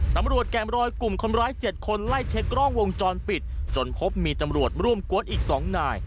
ตำรวจแก่มรอยกลุ่มคนร้าย๗คนไล่เช็คกล้องวงจรปิดจนพบมีตำรวจร่วมกวดอีก๒นาย